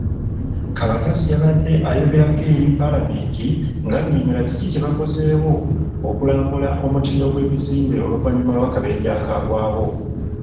Kabatsi yabadde ayogerako eri Paalamenti ng'annyonnyola kiki kye bakozeewo okulambula omutindo gw'ebizimbe oluvannyuma lw'akabenje akaagwawo.